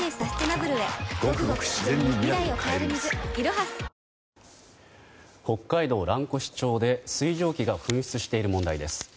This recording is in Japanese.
はぁ北海道蘭越町で水蒸気が噴出している問題です。